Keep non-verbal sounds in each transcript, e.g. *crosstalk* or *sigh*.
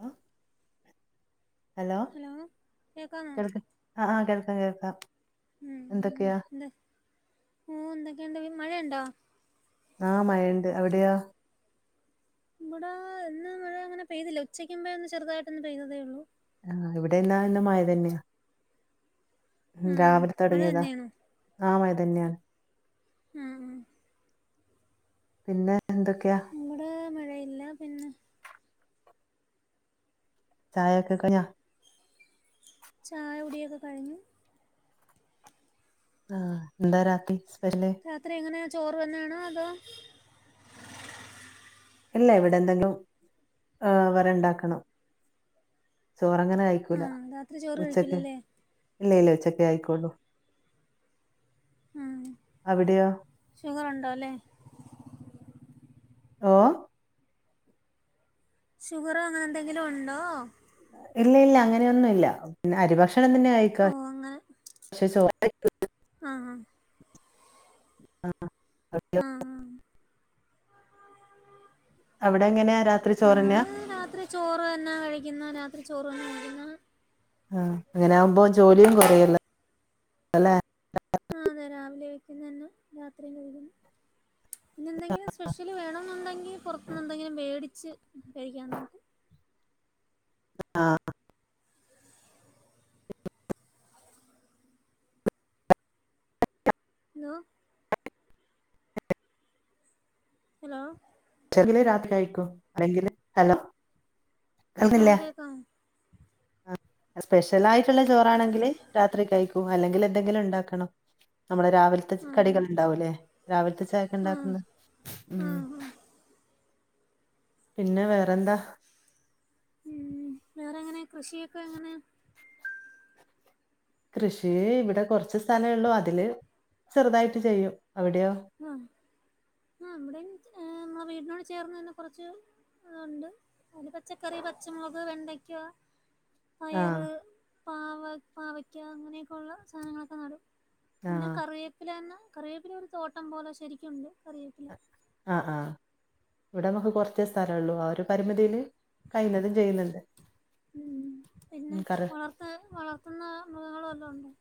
Hello hello കേക്കാമോ കേൾക് ആഹ് ആഹ് കേൾക്കാം കേൾക്കാം എന്തൊക്കെയാ ഓഹ് എന്തൊക്കെയുണ്ട് പിന് മഴയൊണ്ടോ? ആ മഴയൊണ്ട് അവിടെയാ ഇവിടാ ഇന്ന് മഴ അങ്ങനെ പെയ്തില്ലംഉച്ചയ്ക്കു മുമ്പേ ഒന്ന് ചെറുതായിട്ടൊന്ന് പെയ്തതേ ഒള്ളൂ. ആ ഇവിടെല്ലാം ഇന്ന് മഴ തന്നെയാ. ഉം രാവിലെ മഴ തൊടങ്ങിയതാ. തന്നെയാണോ ആ മഴ തന്നെയാണ്. മ് ഉം പിന്നേ എന്തൊക്കെയാ? ഇവ്ടാ മഴയില്ല പിന്നെ ചായയൊക്കെ കഴിഞ്ഞാ? ചായ കുടിയൊക്കെ കഴിഞ്ഞു. ആ എന്താ രാത്രി സ്പെഷ്യല്? രാത്രി എങ്ങനെയാ ചോറ് തന്നെയാണോ അതോ അല്ല ഇവ്ടെ എന്തെങ്കിലും വേറെ ഇണ്ടാക്കണം. ചോറങ്ങനെ ആ കഴിക്കൂല രാത്രി ചോറ് ഉച്ചയ്ക്ക്. കഴിക്കില്ലല്ലേ ഇല്ല ഇല്ല ഉച്ചയ്ക്കെ കഴിയ്ക്കൂള്ളൂ അവിടെയോ ഷുഗർ ഒണ്ടോ അല്ലേ. ഓഹ് ഷുഗറോ അങ്ങനെ എന്തെങ്കിലും ഒണ്ടോ? ഇല്ലില്ല അങ്ങനെയൊന്നും ഇല്ല പിന്നെ അരിഭക്ഷണം തന്നെ ആയി ഓ അങ്ങനെ ആ ആ *unintelligible* ആഹ് ആഹ് അവിടെ എങ്ങനെയാ ര ങ്ങ രാത്രി ചോറ് തന്നാ കഴിക്കുന്ന രാത്രി ചോറ് തന്ന കഴിക്കുന്ന. ആ അങ്ങനെ ആകുമ്പോ ജോലിയും കൊറയല്ലോ അല്ലെ. ആഹ് അതെ രാവിലെ വെക്കുന്ന തന്നെ രാത്രി കഴിക്കും പിന്നെ എന്തെങ്കിലും സ്പെഷ്യല് വേണം എന്നുണ്ടെങ്കിൽ പുറത്തുനിന്ന് എന്തെങ്കിലും മേടിച്ച് കൈക്കാൻ നോക്കും. ആഹ് ഹലോ. *inaudible* ഹലോ. *unintelligible* രാത്രി കയ്ക്കൂ അല്ലെങ്കില്. ആഹ് *unintelligible* കേക്കാമോ ആ സ്പെഷ്യൽ ആയിട്ടുള്ള ചോറാണെങ്കിൽ രാത്രി കഴിക്കൂം അല്ലെങ്കിൽ എന്തെങ്കിലും ഉണ്ടാകണം. നമ്മളെ രാവിലത്തെ ആഹ് കടികൾ ഉണ്ടാവൂല്ലേ രാവിലത്തെ ചായക്കെ ആഹ് ഉണ്ടാക്കുബോ ഉം. ആഹ് ആഹ് പിന്നെ വേറെന്താ. ഉം വേറെ എങ്ങനെ കൃഷിയൊക്കെ എങ്ങനെ. കൃഷി ഇവിടെ കുറച്ച് സ്ഥലെ ഉള്ളൂ അതില് ചെറുതായിട്ട് ചെയ്യും അവിടെയോ. ആ ആ ഇവിടെയും നമ്മ വീടിനോട് ചേർന്ന് തന്നെ കുറച്ച്. ആണ്ട് അത് പച്ചക്കറി പച്ചമുക് വെണ്ടയ്ക്ക. ആഹ് പയറ് പാവക് പാവയ്ക്ക അങ്ങനെയൊക്കെയുള്ള സാധനങ്ങളൊക്കെ നടും. പിന്നെ ആഹ് കറിയേപ്പില എന്ന കറവേപ്പില ഒരു തോട്ടം പോലെ ശരിക്കുംണ്ട് കറിയേപ്പില. ആഹ് ആഹ് ഇവിടെ നമുക്ക് കുറച് സ്ഥലൊള്ളൂ ആ ഒരു പരിമിതില് കഴിയ്ണതും ചെയ്ണ്ട്. ഉം പിന്നെ വളർത് വളർത്തുന്ന മൃഗങ്ങള് വല്ലതും ഉണ്ടോ?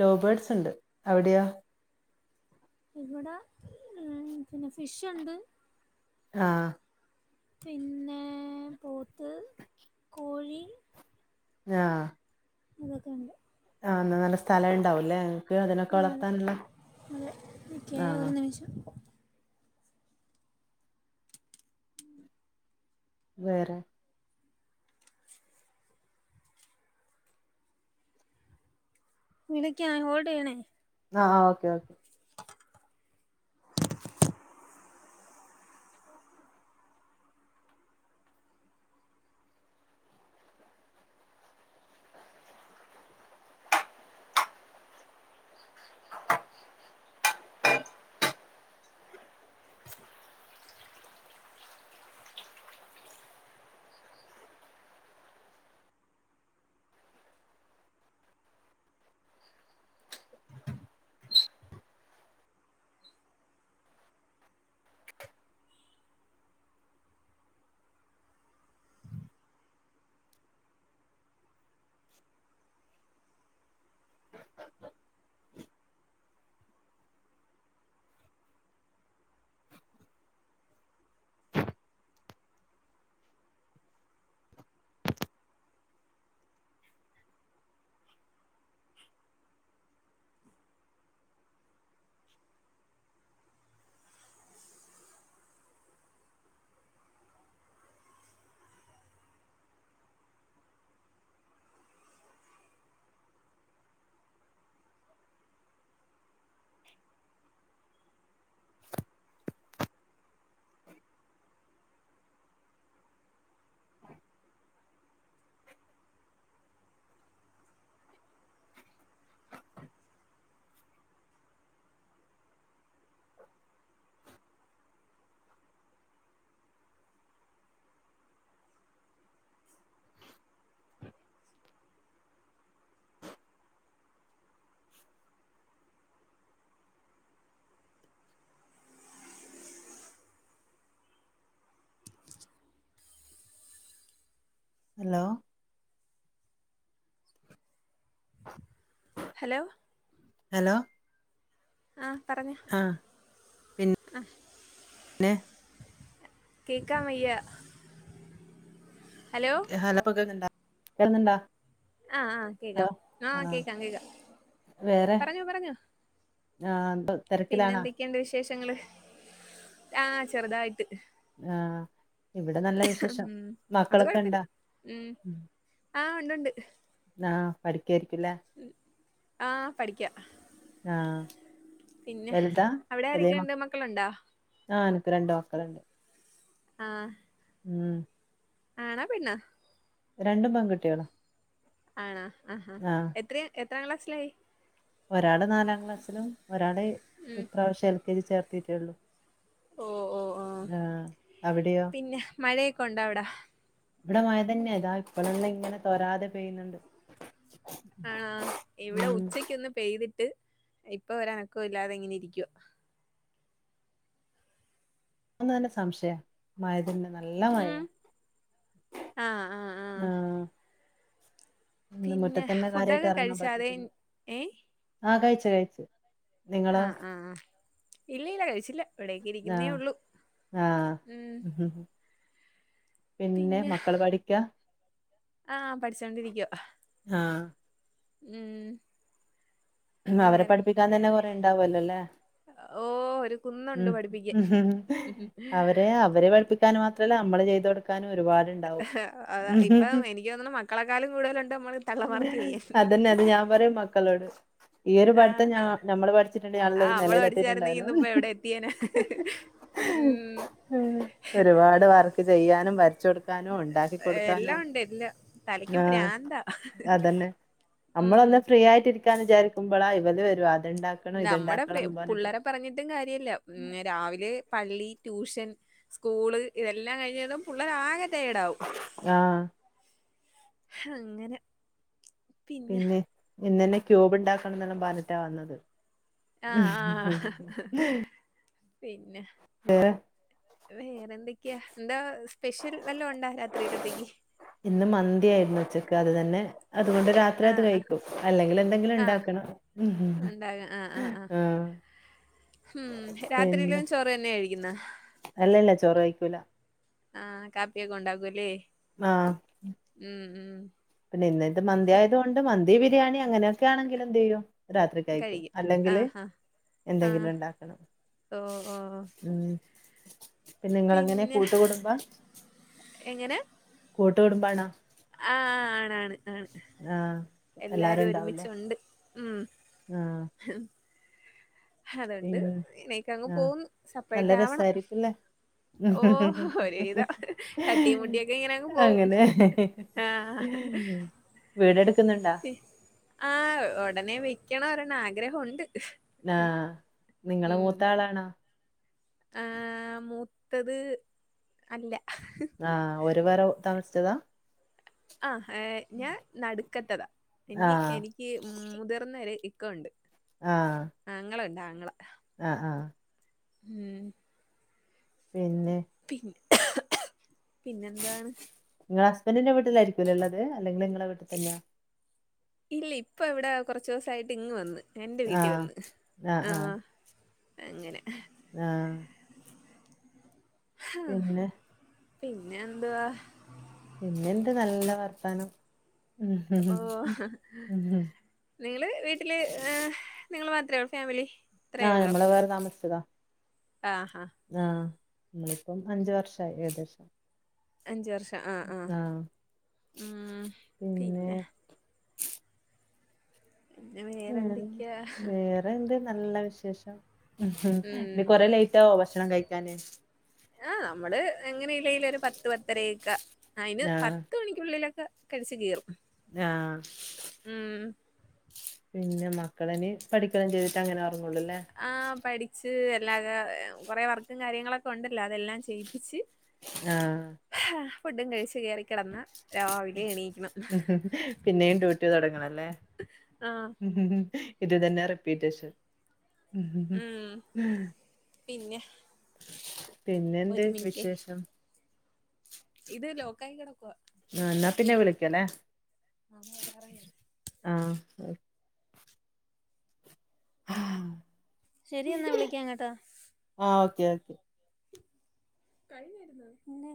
ലൗ ബേർഡ്സ് ഉണ്ട് അവിടെയോ? ഇവിടെ ഉം പിന്നെ ഫിഷുണ്ട്. ആഹ. പിന്നേ പോത്ത് കോഴി. ആഹ. അതൊക്കെണ്ട്. ആഹ നല്ല സ്ഥലം ഉണ്ടാവുംല്ലേ ക്ക് അതിനൊക്കെ ആ അതെ വളർത്താനുള്ള. അതെ ഓക്കെ ആഹ് ഒരു നിമിഷം. വേറെ. വിളിക്കാം ഹോൾഡ് ചെയ്യണേ. ആ okay okay. Hello. Hello. Hello. ആഹ പറഞ്ഞോ. ആ. ആ ഹ് പിന്നേ. കേക്കാംവെയ്യ. ഹലോ പ്പ കേക്ക്ന്ന്ണ്ടാ കേക്കുന്നുണ്ടാ. ആഹ ആഹ കേക്കാം ആഹ് കേക്കാം കേക്കാം പറഞ്ഞോ പറഞ്ഞോ. ആൻണ്ട്. പിന്നെ എന്തൊക്കെയണ്ട് വിശേഷങ്ങള് ആ ചെറുതായിട്ട്. ആഹ് ഇവിടെ നല്ലവിശേഷം ഉം അത് കൊഴപ്പില്ല മക്കളൊക്കെണ്ടാ. ഉം ആഹ്.. ഉണ്ട് ണ്ട്. ആഹ് പഠിക്കായിരിക്കുല്ലേ? ആഹ് പഠിക്കാ. ആ പിന്നെ, വലുതാ അവിടെ ആരെക്കെണ്ട് മക്കളുണ്ടാ. ആഹ് അൻക്ക് രണ്ട് മക്കളുണ്ട്. ആഹ്. ഉം ആണോ പെണ്ണോ. രണ്ടും പെൺകുട്ടൃളാ. ആണോ അഹാ എത്രയാ എത്രാം ക്ലാസ്സിലായി. ഒരാള് നാലാം ക്ലാസിലും ഒരാള് ഇപ്രാവശ്യം എൽ. കെ. ജി. ചേർത്തീട്ടെള്ളൂ. ഓ, ഓ, ആഹ്. അവിടെയോ പിന്നെ മഴയൊക്കെണ്ടാ അവ്ടാ. ഇവടെ മയതന്നെ താ ഇപ്പളെല്ലാം ങ്ങനെതേരാതെ പെയ്യുന്നുണ്ട്. ആഹാ ഇവിടെ ഉം ഉച്ചെക്കെന്ന് പെയ്തിട്ട് ഇപ്പൊരനക്കെല്ലാതെ ങ്ങനെരിക്കാ. ക്കും തന്നെ സംഷെയാ മയതിന്നെ നല്ലമയാ. ഉം ആഹ് ആഹ് ആഹ്. ന്ന് പിന്നെ മുറ്റതന്നെ കാര്യയിട്ട് ഫുഡൊക്കെ എറങ്ങാൻ കഴിച്ചാ അതേ പറ്റീട്ടില്ല ഏ ആഹ്, കഴിച്ച്, കഴിച്ച്. ആഹ് ആഹ് ആ ഇല്ല ല്ല കഴിച്ചില്ല ആഹ് ഇവിടേക്കിരിക്കുന്നേള്ളൂ. ആഹ്. ഉം പിന്നെ മക്കള് പഠിക്കാ. ആഹ്, പഠിച്ചോണ്ടിരിക്കാ. ആഹ്. ഉം. പിന്നെ അവരെ വേറെ പഠിപ്പിക്കാൻ തന്നെ വേറെ കൊറേണ്ടാവല്ലോ ല്ലെ. ഓ ഒരു കുന്നുണ്ട് ഉം പഠിപ്പിക്കാൻ അവരെ അവരെ പഠിപ്പിക്കാനുമാ തല് അമ്മള് ചെയ്തോട് ക്കാനും ഒരുപാട്ണ്ടാവും അതാ ഇപ്പം എനിക്ക് തോന്നുണു മക്കളെക്കാളും കൂടുതലുണ്ട് നമ്മള് തള്ളമാർക്ക് ചെയ്യാൻ അതെന്നെ ഞാൻ പറിം മക്കളോട്. ഈ ഒരു ആഹ് പഠ്ത്തം ഞാ ഞമ്മള് പഠിച്ചിട്ടുണ്ടെങ്കിൽ നല്ലൊരു ആഹ് നമ്മള് പഠിച്ചായിരുന്നെങ്കി നെലേലെത്തീട്ടുണ്ടായിരുന്നുന്ന് ഇന്നിപ്പോ എവിടെ എത്തിയേനെ ഉം ഒരുപാട് വർക്ക് ചെയ്യാനും വരച്ചൊടുക്കാനും ഉണ്ടാക്കി കൊടുക്കാനും. തലെക്ക് ആഹ് പ്രാന്താ. അതന്നെ ഉം നമ്മളൊന്ന് ഫ്രീ ആയിട്ടിരിക്കാന്ന് വിചാരിക്കുമ്പളാ ഇവര് വരും അത്ണ്ടാക്കെണം ഇത്ണ്ടാക്കണെന്നും പറഞ്ഞിട്ട്. ട്ടും കാര്യല്ലാ രാവിലെ പള്ളീ ട്യൂഷൻ. സ്കൂള് ഇതെല്ലാം കഴിഞ്ഞെതും പുള്ളേരാകെ. തേടാവും ആഹ് ഹങ്ങനെ. പിന്നെ, ഇന്നന്നെ ക്യൂബ് ണ്ടാക്കണം ന്നെല്ലാം പറഞിട്ടാ വന്നത്. ആഹ് ആ ഹ് ഹ് പിന്നെ. *unintelligible* വേറെന്തൊക്കെയാ എന്താ സ്പെഷ്യൽ വല്ലോംണ്ടാ രാത്രിയിലത്തേക്ക്? ഇന്ന് മന്തിയായിരുന്നു ഉച്ചെക്ക് അത് തന്നെ അതുകൊണ്ട് രാ ത്രത് ആഹ് ആഹ് കഴിക്കും, അല്ലെങ്കില് എന്തെങ്കിലും ആഹ് ണ്ടാക്കെണം ആഹ്. ഉം പിന്നെ രാത്രിയിലും ചോറ് തന്നെയാ കഴിക്കുന്നെ? അല്ലല്ല ചോറ് കയിക്കൂല. ആഹ് കാപ്പിയൊക്കെ ഉണ്ടാക്കൂല്ലെ. ആഹ് പിന്നെ ഇന്ന് ത് മന്തി ആയത് പിന്നെ കൊണ്ട് മന്തി ബിരിയാണി അങ്ങനെ. ക്കാണെങ്കില് എന്ത് ചെയ്യും രാത്രി കഴിക്കും കഴിയും അല്ലെങ്കില് ആഹ് ആഹ് എന്തെങ്കിലുണ്ടാക്കണം. ഓഹ് ഓഹ് ഒ *inaudible* നിങ്ങളെങ്ങനെ പിന്നെ, കൂട്ടുകുടുംബ എങ്ങനെ? കൂട്ടു കുടുംബാണോ? ആഹ് ആണ് ആണ് ആണ് ആഹ് എല്ലാരും ഒരുമിച്ചുണ്ട്. ഉം ആഹ്. *unintelligible* അതണ്ട് പിന്നെ ഇങ്ങനെ ക്കങ്ങ് ആഹ് പോവുന്നു. നല്ല സപ്പറേറ്റ് ആവണം. രസായിരിക്കുംല്ലേ ഓഹ് ഒരു വിധം, തട്ടിയും മുട്ടിയും ഒക്കെ ഇങ്ങനെ അങ്ങ് പോവും. അങ്ങനെ ആഹ് വീടെടുക്കുന്നുണ്ടാ? ആഹ് ഒടനെ വെക്കണം ഒരെണ്ണം ആഗ്രഹം ഉണ്ട്. ആഹ് നിങ്ങള് മൂത്ത ആളാണോ? ആഹ് മൂത്തത് അല്ല. ആഹ് ഓര് വേറെ താമസിച്ചതാ? ആഹ് ഏഹ് ഞാൻ നടുക്കത്തതാ. ഇനി ആഹ് എനിക്ക് മുതിർന്നര് ഇക്ക ഉണ്ട്. ആഹ്. ആങ്ങള ഉല്ല ആങ്ങള. ആഹ് ആഹ്. ഉം പിന്നെ? പി പിന്നെ എന്താണ്? ഇങ്ങള് ഹസ്ബന്റിന്റെ വീട്ടിലായിരിക്കുല്ലേള്ളത് അല്ലെങ്കില് ഇങ്ങള വീട്ടി തന്നെയാ. ഇല്ല ഇപ്പ ഇവിടെ കൊറ്ച്ച് ദിവസായിട്ട് ഇങ്ങ് വന്ന്. എന്റെ വീട്ടിൽ ആഹ് വന്ന്. ആഹ് അങ്ങനെ. ആഹ്. ആഹ് പിന്നെ പിന്നെ എന്താ? പിന്നെന്ത നല്ല വർത്തനം. ഓ നിങ്ങള് വീട്ടില് ഏ നിങ്ങൾ മാത്രേള്ളൂ ഫാമിലി. ആഹ് നമ്മള് വേറെ താമസ ആഹ് ആഹ് നമ്മളിപ്പം അഞ്ച് വർഷായി ഏകദേശം. അഞ്ച് വർഷം ആഹ് ആഹ് ഉം പിന്നെ. പിന്നെ ഉം വേറെ വേറെന്തൊക്കെയാ വേറെന്ത് നല്ല വിശേഷം ഉം ഇനി ഉം കൊറെ ലേറ്റ് ആവോ ഭക്ഷണം കഴിക്കാന്? ആഹ് നമ്മള് എങ്ങനെല്ലെലും ഒരു പത്ത് പത്തരയക്ക അയിന് ആഹ് പത്ത് മണിക്കുള്ളില കഴിച്ച് കേറും. ആഹ്. ഉം പിന്നെ മക്കളന് പഠിക്കല്ലും ചെയ്തിട്ട് അങ്ങനെ ഒർങ്ങൊള്ളുല്ലേ. ആഹ് പഠിച്ച് എല്ലാര കൊറെ വർക്കും കാര്യങ്ങളൊക്കെ ഉണ്ടല്ലോ അതെല്ലാം ചെയ്യിപ്പിച്ച്. ആഹ്. ഫുഡും കഴിച്ച് കേറി കെടന്ന് രാവിലെ എണീക്കണം. പിന്നെയും ട്യൂട്ടി തൊടങ്ങണല്ലേ. ആ ഉംഹ് ഇത് തന്നെ റിപ്പീറ്റേഷൻ. ഉം പിന്നെ പിന്നെന്ത് ഒരു മിനിറ്റെ വിശേഷം? ഇത് ലോക്കായി കെട ആഹ് എന്നാ പിന്നെ വിളിക്കല്ലേ. അമ്മ വരാറായി ആഹ് ആഹ്. ശരി എന്നാ വിളിക്കാം കേട്ടോ ആ ഓക്കെ കഴിഞ്ഞിരുന്ന പിന്നെ